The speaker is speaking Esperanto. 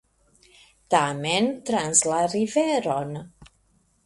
Tamen trans la riveron.